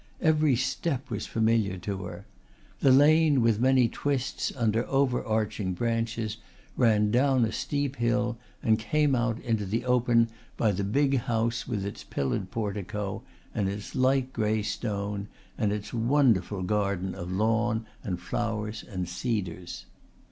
Every step was familiar to her. The lane with many twists under overarching branches ran down a steep hill and came out into the open by the big house with its pillared portico and its light grey stone and its wonderful garden of lawn and flowers and cedars.